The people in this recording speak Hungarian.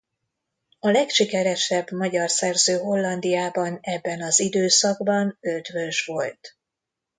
A legsikeresebb magyar szerző Hollandiában ebben az időszakban Eötvös volt.